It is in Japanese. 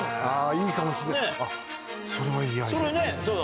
いいかもしれないあっそれは。